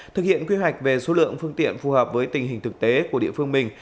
thực hiện quy hoạch về số lượng phương tiện phù hợp với tình hình thực tế của địa phương mình